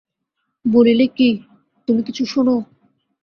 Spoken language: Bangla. বলিলে কি তুমি কিছু শােন?